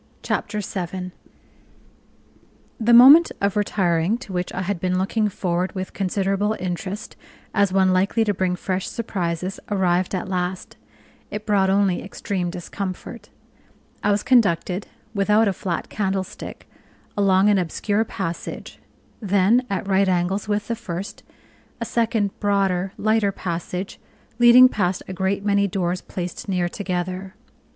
Chapter 7 The moment of retiring, to which I had been looking forward with considerable interest as one likely to bring fresh surprises, arrived at last: it brought only extreme discomfort. I was conducted (without a flat candlestick) along an obscure passage; then, at right angles with the first, a second broader, lighter passage, leading past a great many doors placed near together.